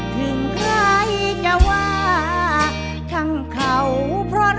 ถึงใครจะว่าช่างเขาเพราะเธอ